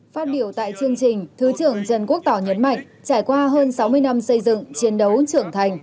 phát biểu tại chương trình thứ trưởng trần quốc tỏ nhấn mạnh trải qua hơn sáu mươi năm xây dựng chiến đấu trưởng thành